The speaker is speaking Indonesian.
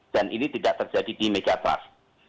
dan ini tidak terjadi di megatras